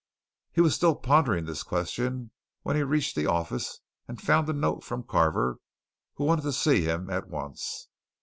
He was still pondering this question when he reached the office and found a note from Carver who wanted to see him at once.